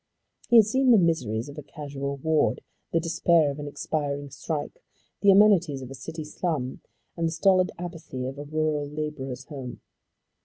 He had seen the miseries of a casual ward, the despair of an expiring strike, the amenities of a city slum, and the stolid apathy of a rural labourer's home.